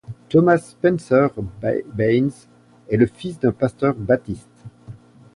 Thomas Spencer Baynes est le fils d'un pasteur baptiste.